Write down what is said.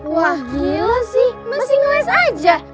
wah biru sih masih ngeles aja